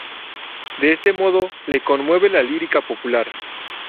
De este modo, le conmueve la lírica popular.